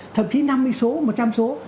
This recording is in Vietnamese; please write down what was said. thậm chí năm mươi số một trăm linh số